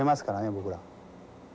僕ら。